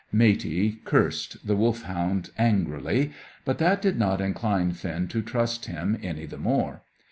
Matey cursed the Wolfhound angrily, but that did not incline Finn to trust him any the more.